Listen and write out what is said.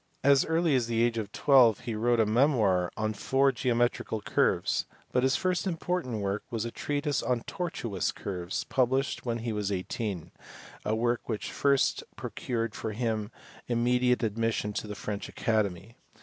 As early as the age of twelve he wrote a memoir on four geometrical curves, but his first important work was a treatise on tortuous curves published when he was eighteen a work which procured for him immediate admission to the French Academy.